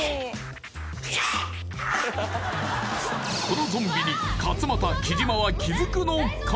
このゾンビに勝俣貴島は気づくのか？